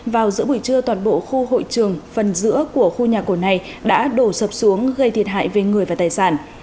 vào giữa buổi trưa toàn bộ khu hội trường phần giữa của khu nhà cổ này đã đổ sập xuống gây thiệt hại về người và tài sản